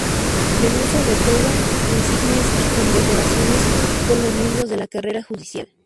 Del uso de toga, insignias y condecoraciones por los miembros de la Carrera Judicial.